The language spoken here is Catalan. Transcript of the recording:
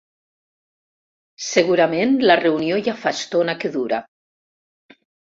Segurament la reunió ja fa estona que dura.